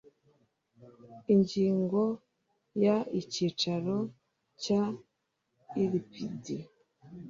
ingingo ya icyicaro cya ilpd